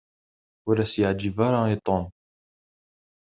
Ur as-yeɛǧib ara i Tom.